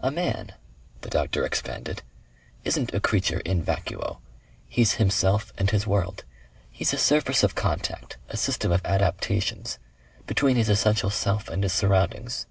"A man," the doctor expanded, "isn't a creature in vacuo. He's himself and his world. He's a surface of contact, a system of adaptations, between his essential self and his surroundings.